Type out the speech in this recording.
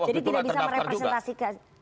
karena saya waktu itulah terdaftar juga